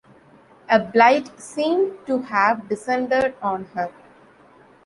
A blight seemed to have descended on her.